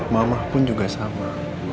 mamah pun juga sama